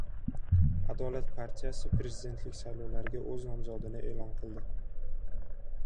«Adolat» partiyasi prezidentlik saylovlariga o‘z nomzodini e’lon qildi